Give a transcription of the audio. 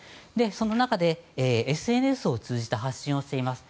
その中で、ＳＮＳを通じた発信をしています。